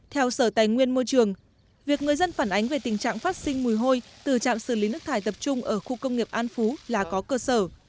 theo sở tài nguyên môi trường việc người dân phản ánh về tình trạng phát sinh mùi hôi từ trạm xử lý nước thải tập trung ở khu công nghiệp an phú là có cơ sở